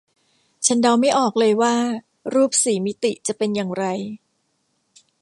ฉันเดาไม่ออกเลยว่ารูปสี่มิติจะเป็นอย่างไร